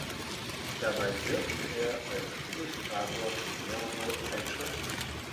Dabei wirkte er als Illustrator für mehrere Zeitschriften.